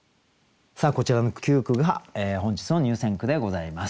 こちらの９句が本日の入選句でございます。